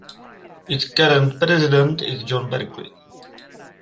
Its current President is John Barclay.